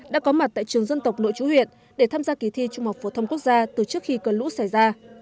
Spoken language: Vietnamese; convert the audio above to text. đã có mặt tại trường dân tộc nội chú huyện để tham gia kỳ thi trung học phổ thông quốc gia từ trước khi cơn lũ xảy ra